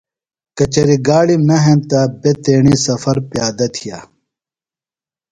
کچریۡ گاڑِم نہ ہینتہ بےۡ تیݨی سفر پیادہ تھایہ۔